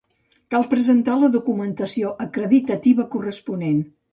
Cal presentar la documentació acreditativa corresponent.